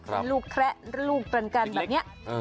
ครับลูกแคระลูกกลันกันแบบเนี้ยเล็กเออ